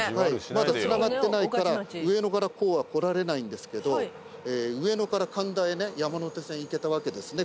まだつながってないから上野からこうは来られないんですけど上野から神田へ山手線行けたわけですね